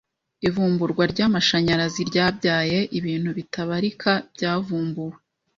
Ivumburwa ry'amashanyarazi ryabyaye ibintu bitabarika byavumbuwe